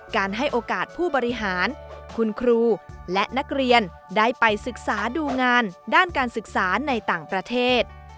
การให้โอกาสผู้บริหารคุณครูและนักเรียนได้ไปศึกษาดูงานด้านการศึกษาในต่างประเทศ